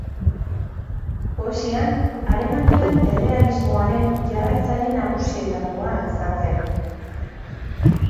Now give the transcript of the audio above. Poesian, alemaniar errealismoaren jarraitzaile nagusietakoa izan zen.